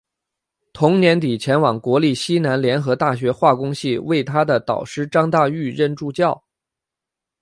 同年底前往国立西南联合大学化工系为他的导师张大煜任助教。